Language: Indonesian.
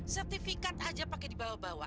sertifikat aja pakai dibawa bawa